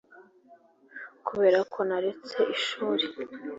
kubera ko ntaretse ishuri